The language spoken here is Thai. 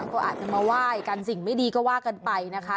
ก็อาจจะมาไหว้กันสิ่งไม่ดีก็ว่ากันไปนะคะ